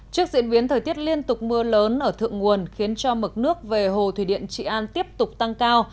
trước diễn biến thời tiết liên tục mưa lớn ở thượng nguồn khiến cho mực nước về hồ thủy điện trị an tiếp tục tăng cao